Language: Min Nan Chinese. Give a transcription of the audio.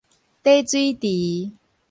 貯水池